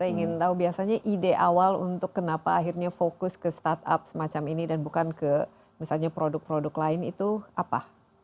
saya ingin tahu biasanya ide awal untuk kenapa akhirnya fokus ke startup semacam ini dan bukan ke misalnya produk produk lain itu apa